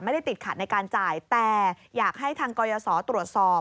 ไม่ได้ติดขัดในการจ่ายแต่อยากให้ทางกรยศตรวจสอบ